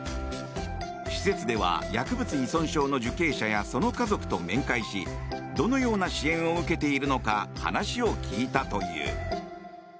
施設では薬物依存症の受刑者やその家族と面会しどのような支援を受けているのか話を聞いたという。